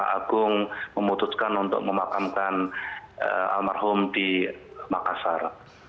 agung memutuskan untuk memakamkan almarhum di makassar